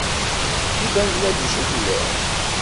Di Bangladec i telliḍ?